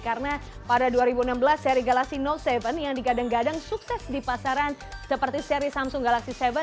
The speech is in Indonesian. karena pada dua ribu enam belas seri galaxy note tujuh yang digadang gadang sukses di pasaran seperti seri samsung galaxy tujuh